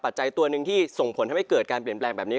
จัยตัวหนึ่งที่ส่งผลทำให้เกิดการเปลี่ยนแปลงแบบนี้